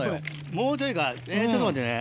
もうちょいかえっちょっと待ってね。